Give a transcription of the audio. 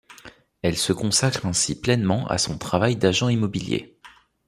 Elle se consacre ainsi pleinement à son travail d'agent immobilier.